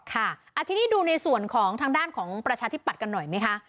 ค่ะทีนี้ดูในส่วนของทางด้านของประชาธิปัตย์กันหน่อยไหมคะ